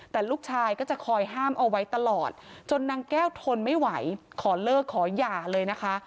แต่ลูกชายก็จะคอยห้ามเอาไว้ตลอดจนนางแก้วทนไม่ไหวขอเลิกขอหย่าเลยนะคะ